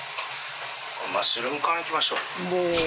マッシュルーム缶いきましょう。